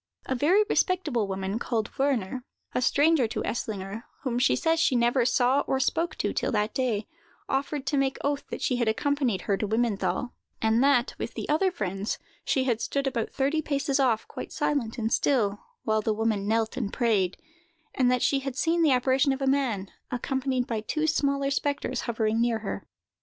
A very respectable woman, called Wörner—a stranger to Eslinger, whom she says she never saw or spoke to till that day—offered to make oath that she had accompanied her to Wimmenthal, and that, with the other friends, she had stood about thirty paces off, quite silent and still, while the woman knelt and prayed; and that she had seen the apparition of a man, accompanied by two smaller spectres, hovering near her.